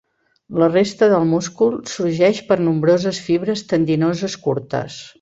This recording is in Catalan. La resta del múscul sorgeix per nombroses fibres tendinoses curtes.